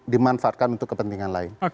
dimanfaatkan untuk kepentingan lain